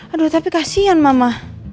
aduh tapi kasian mama